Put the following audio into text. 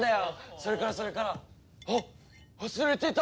それからそれからあっ忘れてた！